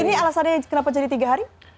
ini alasannya kenapa jadi tiga hari